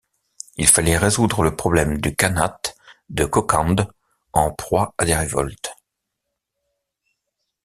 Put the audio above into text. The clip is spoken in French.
Il fallait résoudre le problème du khanat de Kokand en proie à des révoltes.